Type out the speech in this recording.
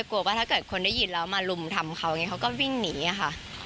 กลัวว่าถ้าเกิดคนได้ยินแล้วมาลุมทำเขาเขาก็วิ่งหนีอะค่ะ